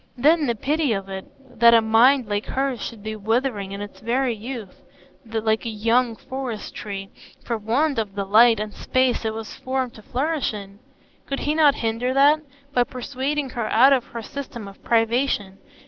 Then, the pity of it, that a mind like hers should be withering in its very youth, like a young forest tree, for want of the light and space it was formed to flourish in! Could he not hinder that, by persuading her out of her system of privation?